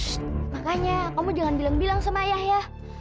sh makanya kamu jangan bilang bilang sama ayah ya